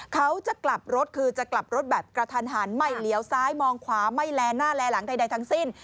เขาจะกลับรถคือจะกลับรถแบบกระทันหันไม่เลี้ยวซ้ายมองขวาไม่แลหน้าแลหลังใดทั้งสิ้น